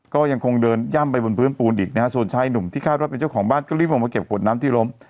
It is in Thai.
ก็ยังคงเดินย่ำไปบนพื้นปูนอีกนะฮะส่วนชายหนุ่มที่คาดว่าเป็นเจ้าของบ้านก็รีบลงมาเก็บขวดน้ำที่ล้ม